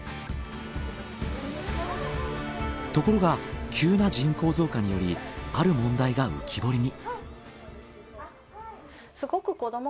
ところが急な人口増加によりある問題が浮き彫りに。